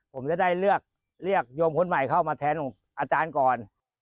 ผมจะได้เลือกโยมคนใหม่เข้ามาแทนอาจารย์ก่อน